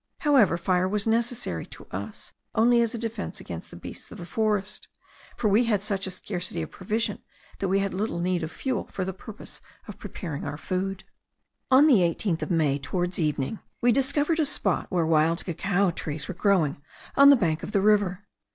However, fire was necessary to us only as a defence against the beasts of the forest; for we had such a scarcity of provision that we had little need of fuel for the purpose of preparing our food. On the 18th of May, towards evening, we discovered a spot where wild cacao trees were growing on the bank of the river.